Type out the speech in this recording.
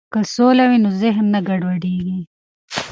که سوله وي نو ذهن نه ګډوډیږي.